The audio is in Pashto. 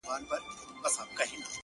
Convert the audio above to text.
ه ياره کندهار نه پرېږدم’